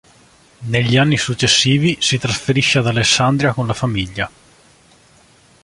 Negli anni successivi si trasferisce ad Alessandria con la famiglia.